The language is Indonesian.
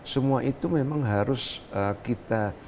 semua itu memang harus kita